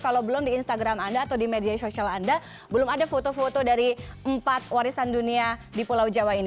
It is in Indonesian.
kalau belum di instagram anda atau di media sosial anda belum ada foto foto dari empat warisan dunia di pulau jawa ini